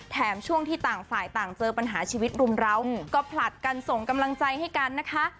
ช่วงที่ต่างฝ่ายต่างเจอปัญหาชีวิตรุมร้าวก็ผลัดกันส่งกำลังใจให้กันนะคะ